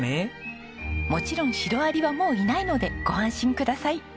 もちろんシロアリはもういないのでご安心ください。